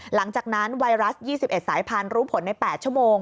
หลังจากนั้นไวรัส๒๑สายพันธุ์รู้ผลใน๘ชั่วโมง